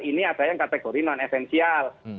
ini ada yang kategori non esensial